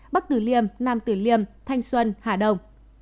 bắc tử liêm nam tử liêm thanh xuân hà đông